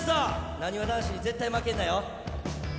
なにわ男子に絶対負けんなよ！